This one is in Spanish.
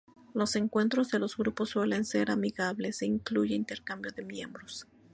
Los encuentros de los grupos suelen ser amigables e incluye intercambio de miembros.